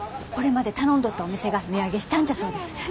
これまで頼んどったお店が値上げしたんじゃそうです。